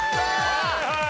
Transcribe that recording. はいはい。